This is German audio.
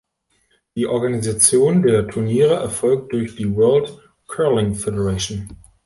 Die Organisation der Turniere erfolgt durch die World Curling Federation.